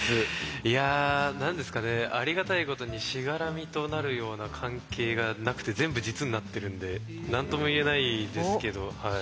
いや何ですかねありがたいことにしがらみとなるような関係がなくて全部実になってるんで何とも言えないですけどはい。